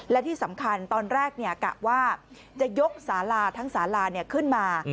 และที่สำคัญตอนแรกกะว่าจะยกสาลาทั้งสาลาขึ้นมา